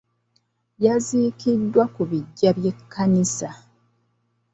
Yaziikoddwa ku biggya by'ekkanisa.